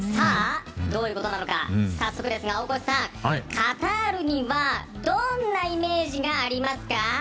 どういうことなのか早速ですが大越さんカタールにはどんなイメージがありますか。